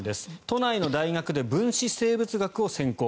都内の大学で分子生物学を専攻。